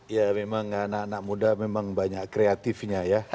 ya memang anak anak muda memang banyak kreatifnya ya